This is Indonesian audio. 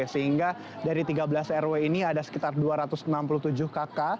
sehingga dari tiga belas rw ini ada sekitar dua ratus enam puluh tujuh kk